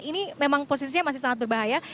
ini memang posisinya masih sangat berbahaya